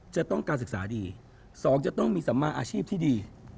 จะต้องการศึกษาดี๒จะต้องมีสัมมาอาชีพที่ดี